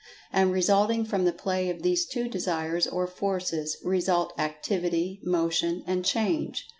And, resulting from the play of these two Desires, or Forces, result Activity, Motion and Change.